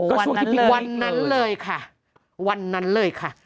โอ้โหวันนั้นเลยค่ะ